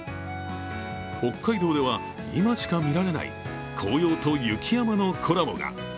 北海道では、今しか見られない紅葉と雪山のコラボが。